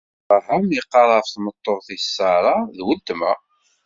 Abṛaham iqqar ɣef tmeṭṭut-is Ṣara: D weltma.